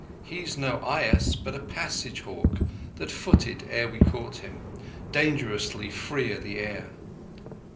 He's no eyass But a passage hawk that footed ere we caught him, Dangerously free o' the air.